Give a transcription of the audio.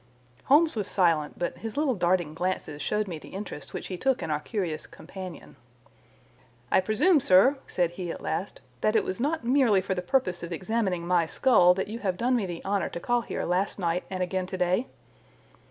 Holmes was silent, but his little darting glances showed me the interest which he took in our curious companion. "I presume, sir," said he at last, "that it was not merely for the purpose of examining my skull that you have done me the honour to call here last night and again today?"